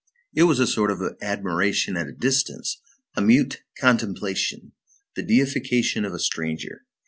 It was a sort of admiration at a distance, a mute contemplation, the deification of a stranger.